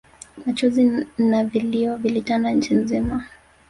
Machozi na vilio vilitanda nchi mzima